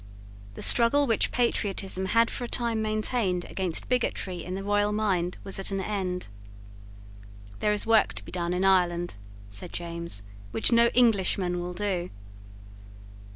The struggle which patriotism had for a time maintained against bigotry in the royal mind was at an end. "There is work to be done in Ireland," said James, "which no Englishman will do."